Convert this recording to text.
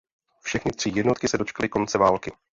Všechny tři jednotky se dočkaly konce války.